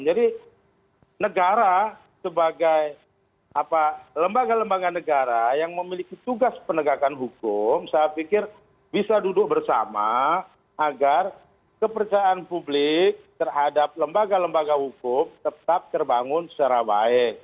jadi negara sebagai apa lembaga lembaga negara yang memiliki tugas penegakan hukum saya pikir bisa duduk bersama agar kepercayaan publik terhadap lembaga lembaga hukum tetap terbangun secara baik